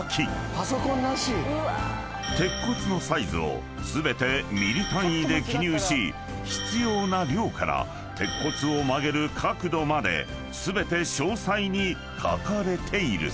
［鉄骨のサイズを全てミリ単位で記入し必要な量から鉄骨を曲げる角度まで全て詳細に書かれている］